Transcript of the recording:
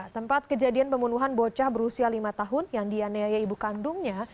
tempat kejadian pembunuhan bocah berusia lima tahun yang dianiaya ibu kandungnya